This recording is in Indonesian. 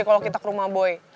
kalau kita ke rumah boy